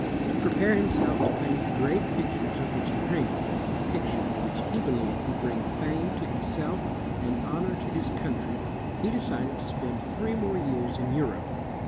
To pre pare himself to paint the great pictures of which he dreamed, — pictures which he believed would biing fame to himself and honor to his country, he decided to spend three more years in Europe.